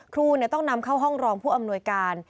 ครูต้องนำเข้าห้องรองผู้อำนวยการ